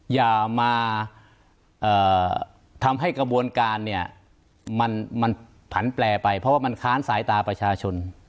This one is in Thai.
อย่ามาทำให้กระบวนการเนี่ยมันผันแปลไปเพราะว่ามันค้านสายตาประชาชน